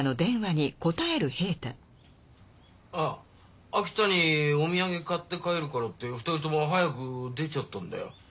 あっ秋田におみやげ買って帰るからって２人とも早く出ちゃったんだよ。